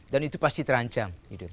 dan itu pasti terancam